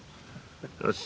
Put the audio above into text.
よし。